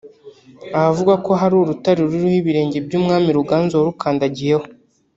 ahavugwa ko hari urutare ruriho ibirenge by’umwami Ruganzu warukandagiyeho